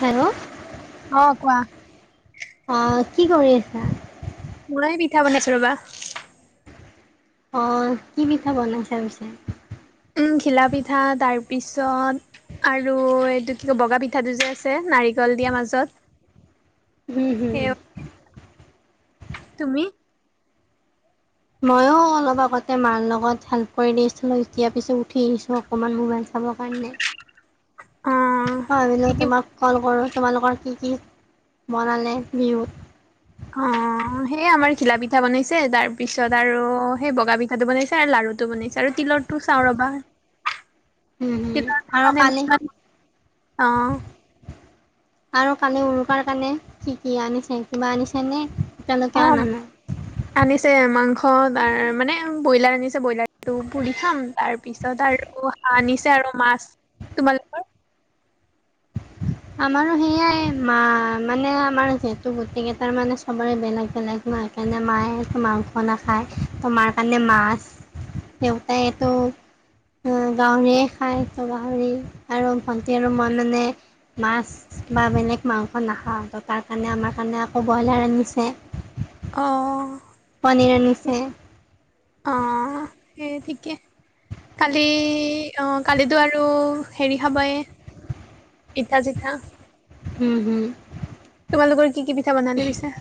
Hello. অ', কোৱা। অঁ কি কৰি আছা? মোৰেই পিঠা বনাইছো ৰবা। অ', কি পিঠা বনাইছা পিছে। উম ঘিলা পিঠা তাৰ পিছত, আৰু এইটো কি কয় বগা পিঠা টোযে আছে। নাৰিকল দিয়া মাজত। হম', সেই হম'। তুমি? ময়ো অলপ আগতে মাৰ লগত হেল্প কৰি দিছিলো, এতিয়া পিছত উঠি আহিছো অকমান মোবাইল খাবৰ কাৰণে অ কি ভাবিলো কি তোমাক কল কৰো। তোমালোকৰ কি কি বনালে বিহুত? অ'। অ' সেই আমাৰ ঘিলা পিঠা বনাইছে, তাৰ পিছত আৰু সেই বগা পিঠাটো বনাইছে আৰু লাৰু টো বনাইছে আৰু তি লতো চাওঁ ৰবা [unintelligible] হুম কিবা এটা আৰু মানে মোক কালি খা মোক অ'। আৰু কালি উৰুকাৰ কাৰণে কি কি আনিছে কিবা আনিছে নে? অ', আনিছে মাংস। অ', মানে ব্ৰইলাৰ আনিছে ব্ৰইলাৰটো পুৰি খাম, তাৰপিছত আৰু হাঁহ আনিছে আৰু আৰু মছ তোমালোকৰ? আমাৰো সেইয়াই মা মানে আমাৰ যিহেতু গোটকেইটাৰ মানে ছবৰে বেলেগ বেলেগ মাৰ কাৰণে মায়েটো মাংস নাখায়, তোমাৰ কাৰণে মাছ। দেউতাইটো গাহৰিয়ে খাই ত গাহৰি আৰু ভণ্টি আৰু মই মনে মাছ মা বেলেগ মাংস নাখাই, তঅ তাৰ কাৰণে আমাৰ কাৰণে আকৌ ব্ৰইলাৰ আনিছে। অহ', পনীৰ আনিছে অহ' ঠিকেই ঠিক। কালি অ', কালিতো আৰু হেৰি খাবাই। পিঠা চিঠা হম হুম। তোমালোকৰ কি কি পিঠা বনালে পিছো?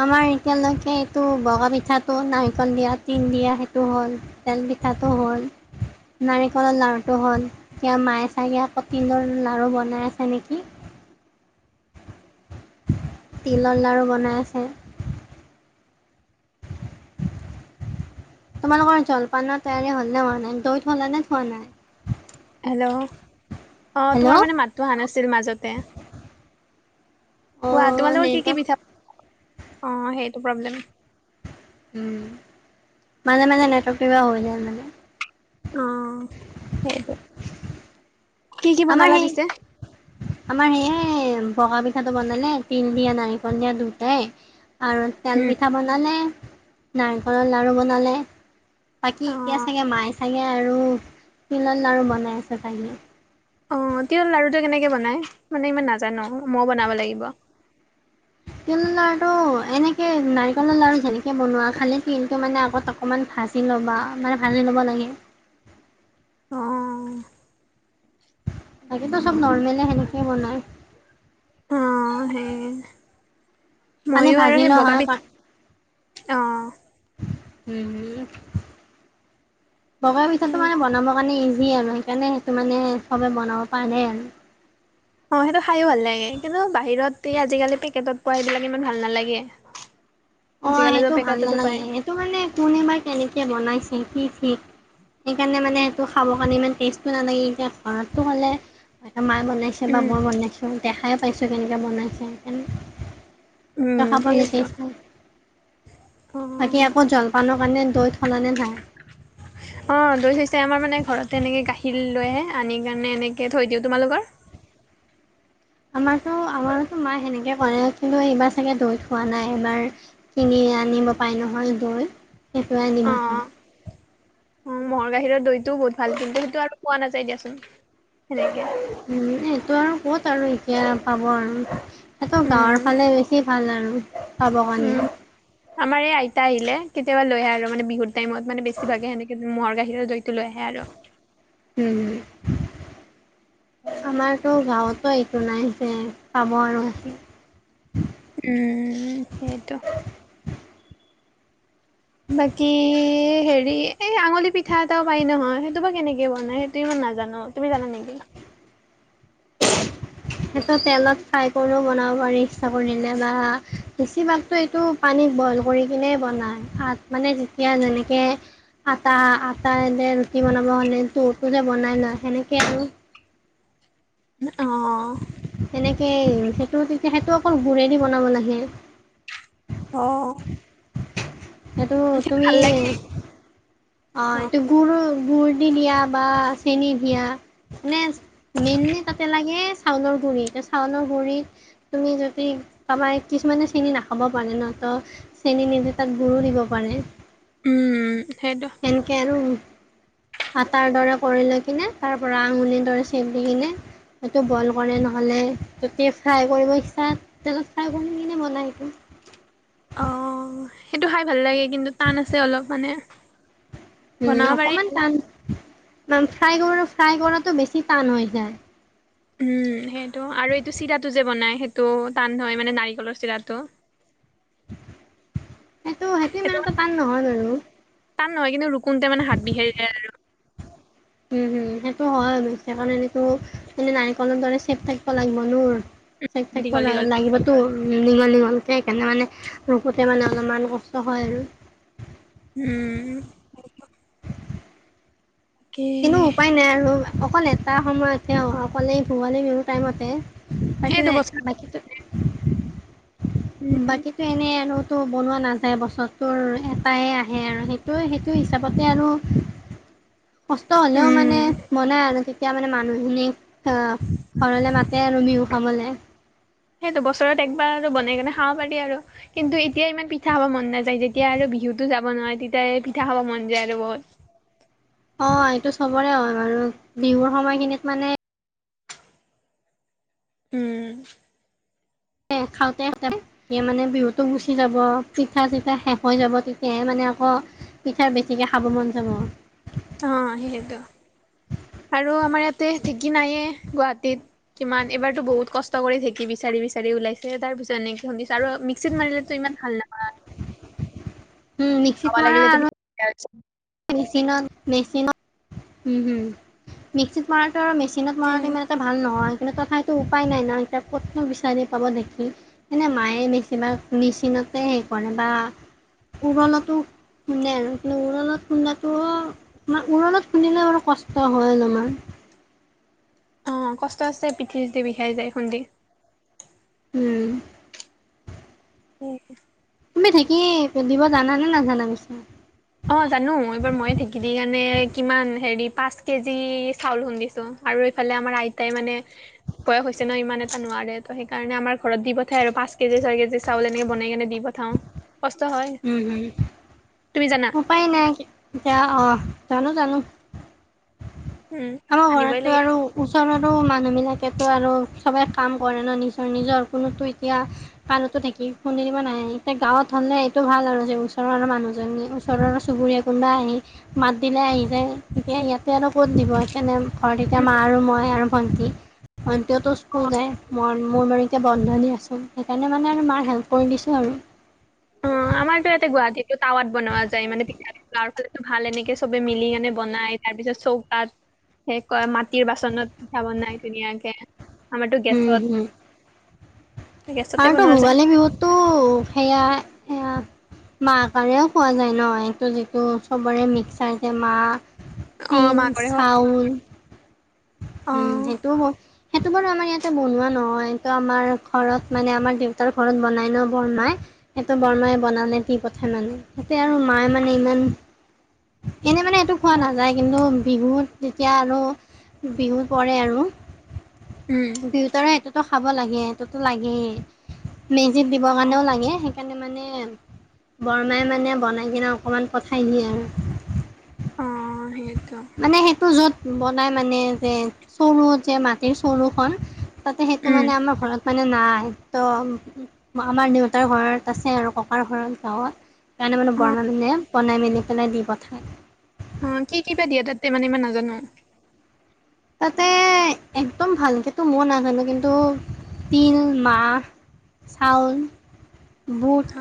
আমাৰ এতিয়ালৈকে এইটো বগা পিঠাটো নাৰিকল দিয়া তিল দিয়া সেইটো হ'ল তেল পঠা তাতো হ। নাৰিকলৰ লাৰুটো হ'ল ক মায় চ আটলৰ লাৰু বনাই আছে নেকি? [unintelligible] তিলৰ লাৰু বনাই আছে। তোমালোকৰ জলপানৰ তৈয়াৰী হ'লনে হোৱা নাই? দৈ থ'লানে থোৱা নাই? হেল্ল'! অ', তোমাৰ হেল্ল' মানে মাতটো আহা নাছিল মাজতে। অ কোৱা তোমালোকৰ কি, কি নেটৱৰ্ক পিঠা? অ', সেইটো প্ৰব্লেম। উম, মাজে, মাজে নেটৱৰ্কটো কিবা হৈ যায় মানে। অ', সেইটো। কি, কি বনালা পিছে? আমাৰ সেই বগা পিঠাটো বনালে, তিল দিয়া, নাৰিকল দিয়া দুটাই। আৰু তেল উম পিঠা বনালে, নাৰিকলৰ লাৰু বনালে। বাকী এতিয়া অ', চাগে মায়ে চাগে আৰু তিলৰ লাৰু বনাই আছে চাগে। অ', তিলৰ লাৰুটো কেনেকে বনাই? মানে ইমান নাজানোঁ, মই বনাব লাগিব। তিলৰ লাৰুটো এনেকে নাৰিকলৰ লাৰু যেনেকে বনোৱা, খালী তিলটো মানে আগত অকমান ভাজি ল'বা, মানে ভাজি ল'ব লাগে। অ ৰাতিপুৱা চব নৰ্মেলে সেনেকেই বনাই অ সেই খালি মইও আৰু ভাজি সেই লোৱা বগা বেত হয় চিত অ উ বগা পিঠাটো মানে সেইটো বনাব কাৰণে আৰু সেইকাৰণে সেইটো মানে সবে বনাব প নে আৰু অ সেইটো খাইো ভাল লাগে কিন্তু বাহিৰত এই আজিকালি পেকেটত পোৱা এইবিলাক ইমান ভাল নালাগে অ আজিকালিতো সেইটো ভাল পেকেটতো নালাগে পায় সেইটো মানে কোনেবাৰ কেনেকে বনাইছে কি ঠিক সেইকাৰণে মানে সেইটো খাবৰ কাৰণে ইমান টেষ্টটো নালাগে এতিয়া ঘো হ'লে মায়ে বনাইছে বা উম মই বনাইছোঁ দেখাই পাইছোঁ কেনেকৈ বনাইছে সনে উম ৰখাব সেইটো নোৱাৰিছো অ বাকী আকৌ জলপানৰ কাৰণে দৈ থলানে নাই অ দৈ থৈছে আমাৰ মানে ঘৰতে এনেকে গাখিল লৈ আহে আনি কাৰণে এনেকে থৈ দিওঁ তোমালোকৰ আমাৰতো আমাৰতো মায় সেনেকে কৰে কিন্তু এইবাৰ চাগে দৈ থোৱা নাই এইবাৰ কিনি আনিব পাই নহয় গৈ সেইটোৱে অ নিমখ অ মৰ গাাহীৰৰ দৈটোও বহুত ভাল কিন্তু সেইটো আৰু পোৱা নাযায় দিয়াচোন সেনেকে উম এইটো আৰু কত আৰু এতিয়া পাব আৰু তো গাঁৱৰ উম ফালে বেছি ভাল আৰু পাব উম কাৰণে আমাৰ এই আইতা আহিলে কেতিয়াবা লৈ আহে আৰু মানে বিহুৰ টাইমত মানে বেছি ভাগে সেনেকে মহৰ গাখীৰৰ জইতটো লৈ আহে আৰু হম আমাৰতো গাঁৱত ত একো নাই যে পাব আৰু আছে উম সেইটো বাকী হেৰি এই আঙুলি পিঠা এটাও পাই নহয় সেইটো বা কেনেকে বনাই সেইটো মানে নাজানো তুমি জানা নেকি [unintelligible] স তেলত ফ্ৰাই কৰিও বনাব পাৰি ইচ্ছা কৰিলে বা বেছিভাগতো এইটো পানী বইল কৰি কিনে বনায় ভাত মানে যেতিয়া যেনেকে আটা আটা এ ৰুটি বনাব হ'লে ততো যে বনাই ল সেনেকেই আৰু অ সেই সেইটো তেতিয়া সেইটো অকল ঘূৰেদি বনাব লাগে অ সেইটো তুমি অ এইটো গৰু, মম গুৰ দি দিয়া বা চেনি দিয়া মানে মেইনলি তাতে লগে চাউল চাউলৰ গুড়ি এয়া চাউলৰ গুডৰিত তুমি যদি কাৰোবাই কিছুমানে চেিন নাখাব পাৰো ন তো চেনি নিধে তাত গুৰো দিব পাৰে উম, সেইটো সেনেকে আৰু আ তাৰ দৰে কৰি লৈ কিনে তাৰ পৰা আঙুলি দৰে চেপ দি কিনে সেইটো বইল কৰে নহ'লে ত ফ্ৰাই কৰিব ইচ্ছা ফ্ৰাই কৰি কিনে বনাই স [inaudible] অ সেইটো খাই ভাল লাগে কিন্তু টান আছে অলপ মানে, উম বনাব পাৰি অকমান টান ম ফ্ৰাই কৰা ফ্ৰাই কৰাটো বেছি টান হৈ যায় উম সেইটো আৰু এইটো চিৰাটো যে বনাই সেইটো তাটো টান নহয় মানে নাৰিকলৰ ছিলাৰটো এইটো সেইটো মানটা টান নহয় আৰু তাত নহয় কিন্তু ৰুকোতে মানে হাত বিষাই যাই আৰু উম হম সেইটো হয় কাৰণে এনেো এনেে নাৰিকলৰ দৰে চেফ থাকিব লাগিব নোৰ, চেক ঠেক টো দীঘল দীঘলকে লাগিবতো নিঙল নিঙল সেইকাৰণে মানে ৰখোতে মানে অলপমান কষ্ট হয় আৰু। উম। কি কিন্তু উপায় নাই আৰু অকল এটা সময়তে অকলে ভোগালী বিহু টাইমতে। তাকে সেইটো বস্তু বাকীটো উম বাকীতো এনেই আনো টো বনোৱা নাযায় বছৰটোৰ এটাই আহে আৰু সেইটো সেইটো হিচাপতে আৰু কষ্ট হ'লেও মানে উম। বনাই আৰু তেতিয়া মানে মানুহখিনিক আ ঘৰলে মাতে আৰু বিহু খাবলে। সেই দুবছৰত একবাৰ আৰু বনাই কেনে খাব পাৰি আৰু। কিন্তু এতিয়া ইমান পি পিঠা খাব মন নাযায়। যেতিয়া আৰু বিহুতো যাব নহয়, তেতিয়া পিঠা খাব মন যায় আৰু বহুত। অ', এইটো চবৰে হয় বাৰু। বিহুৰ সময়খিনিত মানে উম। [unintelligible] খাওঁতে। এ মানে বিহুতো গুচি যাব, পিঠা-চিঠা শেষ হৈ যাব। তেতিয়াহে মানে আকৌ কৌ পিঠা বেছিকে খাব মন যাব। অ', হেইেতোশ আৰু আমাৰ ইয়াতে ঢেঁকী নায়েই, গুৱাহাটীত কিমান, এবাৰতো বহুত কষ্ট কৰি ঢেঁকী বিচাৰি-বিচাৰি ওলাইছে। তাৰপিছত এনেকে খুন্দিছো আৰু মিক্সিত মাৰিলেতো ই মান ভাল নহয়। [inaudible] উম, মিক্সিত মৰা লাগিলেতো আৰু পিঠা বেয়া মেচিনত, মেচিনত, হম, হম। মিক্সিত মাৰা আৰু মেচিনত মমৰাটো হৈছে। ইমান এটা ভাল নহয়। কিন্তু তথাপিতো উপায় নাই ন। এতিয়া ক'তনো বিচাৰি পাব ঢেঁকী? এনে মায়ে বেছিভাগ মেচিনত তে হেৰি কৰে বা উৰলতো খুন্দে, কিন্তু উৰলত খুন্দাটো, উৰলত খুন্দিলে বাৰু কষ্ট হয় অলপমান। অ', কষ্ট আছে। পিঠি-চিঠি বিষাই যায় খুন্দি। উম। উম। তুমি ঢেঁকী দিব জাননে নাজানা পিছে? অ জানো এইবাৰ মই ঢেঁকীদি কাৰণে কিমান হেৰি পাঁচ কেজি চাউল খুন্দিছোঁ। আৰু এইফালে আমাৰ আইতাই মানে বয়স হৈছে ন' ইমান এটা নোৱাৰে ত' সেইকাৰণে আমাৰ ঘৰত দি পঠাই আৰু পাঁচ কেজি ছয় কেজি চাউল এনেকে বনাই কেনে দি পঠাও, কষ্ট হয়, তুমি জানা? পায় নাই যা অ', জানো, জানো। উম আমাৰ আনিবই ঘৰতো লাগে আৰু ওচৰত আৰু মানুহবিলাকেটো আৰু চবে কাম কৰে ন' নিজৰ নিজৰ কোনোটো এতিয়া [unintelligible] খুন্দি দিব নাহে এতিয়া গাঁৱত হ'লে এইটো ভাল আৰু যে ওচৰৰ মানুহজনী ওচৰৰ চুবুৰীয়া কোনোবাই মাত দিলে আহি যায় এতিয়া ইয়াতে আৰু ক'ত দিব সেইকাৰণে ঘৰত এতিয়া মা আৰু মই আৰু ভন্টি, ভন্টিওতো স্কুল যায়, মই মোৰ মাৰু এতিয়া বন্ধ দিয়াচোন। তেনে মানে আৰু মাৰ হেল্প কৰি দিছোঁ আৰু। আমাৰটো ইয়াতে গুৱাহাটীতো টাৱাত বনোৱা যায় মানে গাৱঁৰ ফালেটো ভাল এনেকে চবে মিলি কেনে বনাই। তাৰপিছত চৌকাত সে কয় মাটিৰ বাচনত পিঠা বনাই ধুনীয়াকে। আমাৰটো গেছত গেছতে আৰুটো বনোৱা যায় ভোগালী বিহুতটো সেয়াই সেয়া মাহকাৰেও খোৱা যায় ন' সেইটো যিটো চবৰে মিক্সাৰ যে মাহ অ তিল, মাঘৰে হয় চাউল। অ উম, সেইটোও মই সেইটো বাৰু আমাৰ ইয়াতে বনোৱা নহয় সেইটো আমাৰ ঘৰত মানে আমাৰ দেউতাৰ ঘৰত বনাই ন' বৰমাই। সেইটো বৰমাই বনালে দি পঠাই মানে। তে আৰু মায়ে মানে ইমান এনে মানে এইটো খোৱা নাযায় কিন্তু বিহুত তেতিয়া আৰু বিহু পৰে আৰু। উম দুয়োটাৰে সেইটোতো খাব লাগে সেইটোতো লাগেই। মেজিত দিবৰ অ কাৰণেও লাগে, সে কাৰণে মানে বৰমাই মানে বনাই কিনে অকণমান পঠাই দিয়ে আৰু। অ', সেই মানে সেইটো য'ত বনাই মানে যে চৰু যে মাটিৰ চৰুখন। তাতে সেইটো উম মানে আমাৰ ঘৰত। মানে নাই তো আমাৰ দেউতাৰ ঘৰত আছে আৰু ককাৰ ঘৰত গাঁৱত। সেইকাৰণে মানে অ বৰমাই বনাই মেলি পেলাই দি পঠায়। অ কি কি বা দিয়ে তাতে মানে ই মই নাজানো। তাতে একদম ভালকেতো ময়ো নাজানো কিন্তু। তিল মাহ চাউল। বুট অ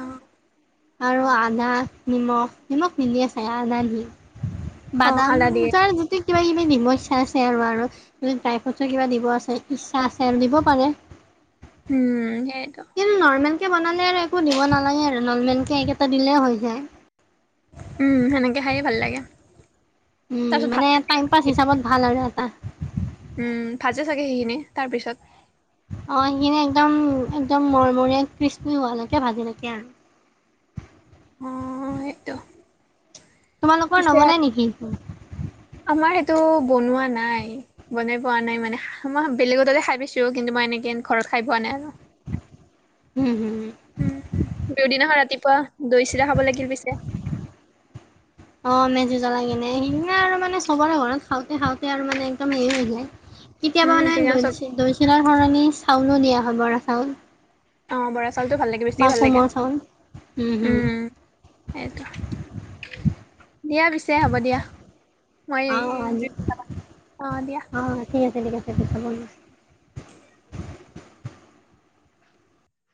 অ আৰু আদা নিমখ নিমখ নিদিয়ে চাগে আদা দিয়ে। অ বাদাম আদা দিয়ে তাৰ জুতি। কিবা কিবি দিব ইচ্ছা আছে আৰু আৰু ড্ৰাই ফ্ৰুটছো কিবা দিব আছে ইচ্ছা আছে আৰু দিব পাৰে। [inaudible] উম সেইটো। কিন্তু [unintelligible] বনালে আৰু একো দিব নালাগে আৰু নৰ্মেলকে এইকেইটা দিলে হৈ যায়। উম সেনেকে খায়ে ভাল লাগে। উম তাৰপিছত মানে টাইম পাছ ভাত হিচাপত ভাল আৰু এটা। উম ভাজে চাগে সেইখিনি তাৰ পিছত। অ সেইখিনি একদম একদম মৰমৰীয়া ক্ৰিস্মী হোৱালৈকে ভাজি থাকে আৰু। [inaudible] অ সেইটো। তোমালোকৰ পিছে নবনাই নেকি? টো বনোৱা নাই বনাই পোৱা নাই মানে মই বেলেগৰ তাতে খাই পাইছো কিন্তু মই এনেকে ঘৰত। খাই পোৱা নাই আৰু। উম হুম। বিহু দিনাখন ৰাতিপুৱা দৈ চিৰা খাব লাগিল পিছে। অ মেজি জ্বলাই কিনে সেই দিনা আৰু মানে চবৰে ঘৰত খাওঁতে খাওঁতে আৰু মানে একদম হেৰি হৈ যায়। উম কেতিয়াবা মানে সেইদিনা দৈ চব দৈ চিৰাৰ সলনি চাউলো দিয়া হয় বৰা চাউল। অ বৰা চাউল চাউলটো ভাল লাগে বা বেছিয়ে ভাল লাগে কোমল চাউল উম উম সেইটো। দিয়া পিছে হ'ব দিয়া মই অ', দিম অঁ দিয়া। [unintelligible] [inaudible]